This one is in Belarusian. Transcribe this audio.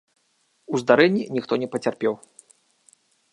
У здарэнні ніхто не пацярпеў.